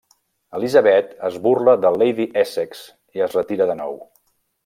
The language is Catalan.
Elisabet es burla de Lady Essex i es retira de nou.